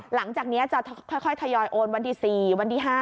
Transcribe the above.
หลังจากนี้จะค่อยทยอยโอนวันที่๔วันที่๕